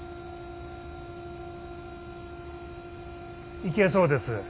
いけそうです。